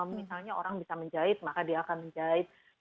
misalnya orang bisa menjahit maka dia akan menjahit